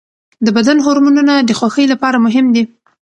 د بدن هورمونونه د خوښۍ لپاره مهم دي.